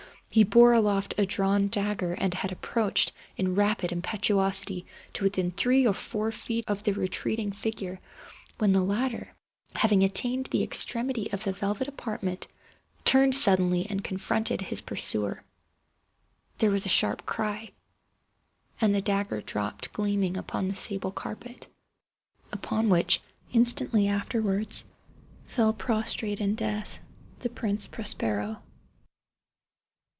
He bore aloft a drawn dagger, and had approached, in rapid impetuosity, to within three or four feet of the retreating figure, when the latter, having attained the extremity of the velvet apartment, turned suddenly and confronted his pursuer. There was a sharp cry—and the dagger dropped gleaming upon the sable carpet, upon which, instantly afterwards, fell prostrate in death the Prince Prospero.